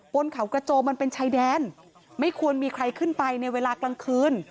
บนเขากระโจมันเป็นชายแดนไม่ควรมีใครขึ้นไปในเวลากลางคืน